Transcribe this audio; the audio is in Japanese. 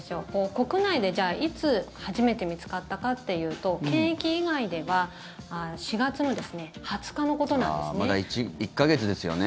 国内で、じゃあいつ初めて見つかったかというと検疫以外では４月の２０日のことなんですね。